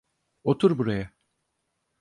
Otur buraya.